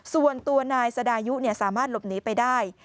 ส่วนตัวนายสดายุสามารถหลบหนีไปได้